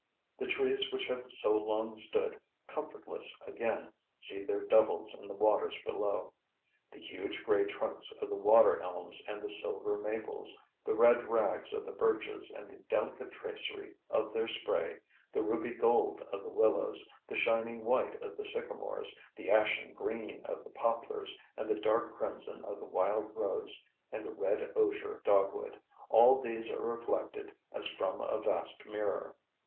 The trees which have so long stood comfortless again see their doubles in the waters below. The huge gray trunks of the water elms and the silver maples, the red rags of the birches and the delicate tracery of their spray, the ruby gold of the willows, the shining white of the sycamores, the ashen green of the poplars and the dark crimson of the wild rose and the red osier dogwood, all these are reflected as from a vast mirror.